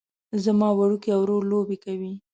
زما وړوکی ورور لوبې کوي